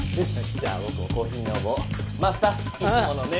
じゃあぼくもコーヒー飲もう！マスターいつものね。